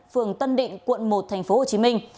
phường tân định quận một tp hcm